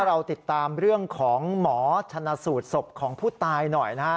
เราติดตามเรื่องของหมอชนะสูตรศพของผู้ตายหน่อยนะฮะ